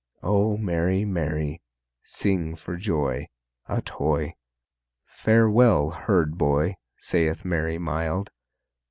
O merry, merry sing for joy, Ut hoy! Farewell, herd boy, saith Mary mild.